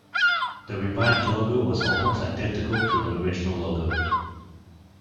The revived logo was almost identical to the original logo.